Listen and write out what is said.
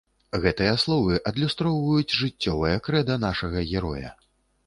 Гэтыя словы адлюстроўваюць жыццёвае крэда нашага героя.